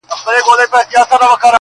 له شنو دښتونو به سندري د کیږدیو راځي٫